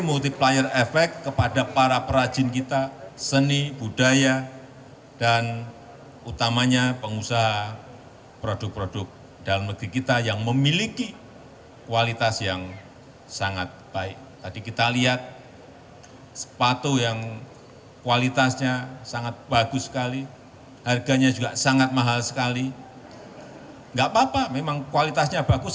gak apa apa memang kualitasnya bagus